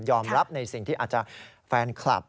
รับในสิ่งที่อาจจะแฟนคลับ